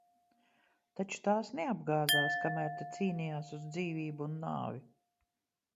Taču tās neapgāzās, kamēr te cīnījās uz dzīvību un nāvi?